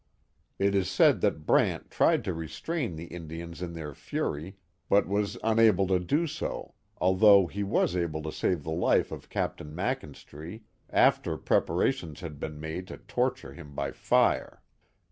It is said that Brant tried to restrain the In dians in their fury, but was unable to do so, although he was able to save the life of Captain Mclnstry after preparations had been made to torture him by fire.